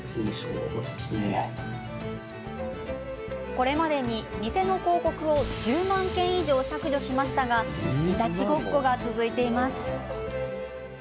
これまでに偽の広告を１０万件以上、削除しましたがいたちごっこが続いています。